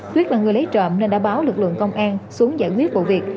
tuyết là người lấy trộm nên đã báo lực lượng công an xuống giải quyết vụ việc